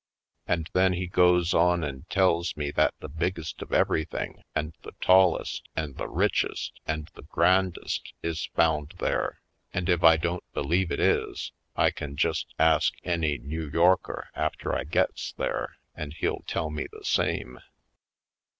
And then he goes on and tells me that the biggest of everything and the tallest and the richest and the grandest is found there and if I don't believe it is, I can just ask any New Yorker after I gets there and he'll tell me the same.